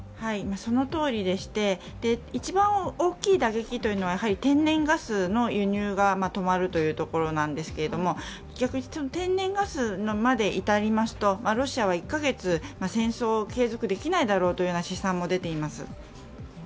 そのとおりでして、一番大きい打撃というのは天然ガスの輸入が止まるというところなんですが逆に天然ガスまで至りますとロシアは１カ月、戦争を継続できないだろうという試算も出ています。